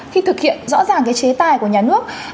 khi thực hiện rõ ràng cái chế tài của nhà nước